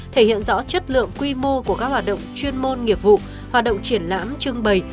thể hiện rõ chất lượng quy mô của các hoạt động chuyên môn nghiệp vụ hoạt động triển lãm trưng bày